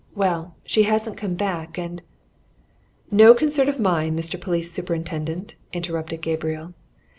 Well, she hasn't come back, and " "No concern of mine, Mr. Police Superintendent!" interrupted Gabriel.